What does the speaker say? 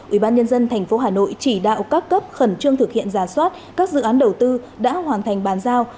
ủy ban nhân dân thành phố hà nội chỉ đạo các cấp khẩn trương thực hiện rà soát các dự án đầu tư đã hoàn thành bàn giao